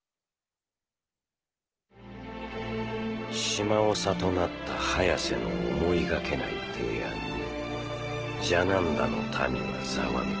島長となったハヤセの思いがけない提案にジャナンダの民はざわめく。